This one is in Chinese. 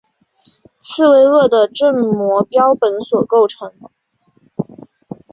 刺猬鳄的正模标本所构成。